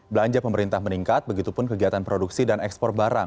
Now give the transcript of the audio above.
belanja pemerintah meningkat begitupun kegiatan produksi dan ekspor barang